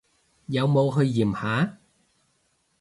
有冇去驗下？